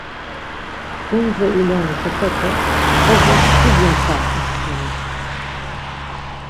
Gundze iloni xepete, bozos ti gyuntxamtu stolis.